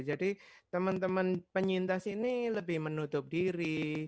jadi teman teman penyintas ini lebih menutup diri